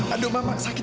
aduh mama sakit